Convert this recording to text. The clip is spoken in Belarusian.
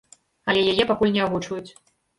Але яе пакуль не агучваюць.